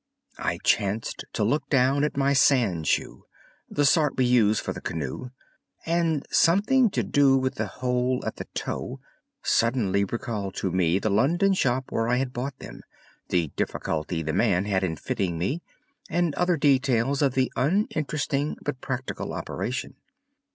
I chanced to look down at my sand shoe—the sort we used for the canoe—and something to do with the hole at the toe suddenly recalled to me the London shop where I had bought them, the difficulty the man had in fitting me, and other details of the uninteresting but practical operation.